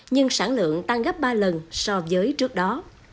nhưng sản lượng tăng gấp ba lần so với trước đó